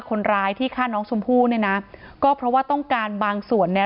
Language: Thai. คนร้ายที่ฆ่าน้องชมพู่เนี่ยนะก็เพราะว่าต้องการบางส่วนเนี่ย